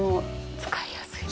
使いやすい？